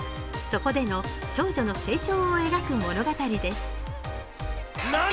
そこでの少女の成長を描く物語です。